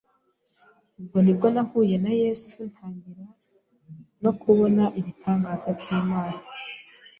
Ubwo ni bwo nahuye na Yesu ntangira no kubona ibitangaza by’Imana